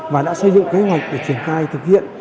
và đã xây dựng kế hoạch để triển khai thực hiện